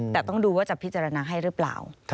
แต่ต้องดูว่าจะพิจารณาให้หรือเปล่า